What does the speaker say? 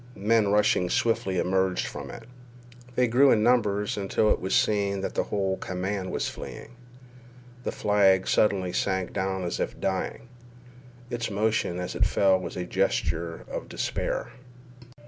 Men rushing swiftly emerged from it. They grew in numbers until it was seen that the whole command was fleeing. The flag suddenly sank down as if dying. Its motion as it fell was a gesture of despair.